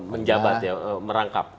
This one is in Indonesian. menjabat ya merangkap